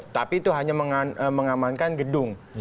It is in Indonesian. tapi itu hanya mengamankan gedung